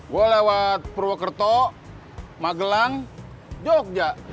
gue lewat purwokerto magelang jogja